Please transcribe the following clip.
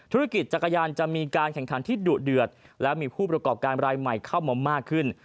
ธุรกิจจักรยานจะมีการแข่งขันที่ดุเดือดและมีผู้ประกอบการรายใหม่เข้ามามากขึ้น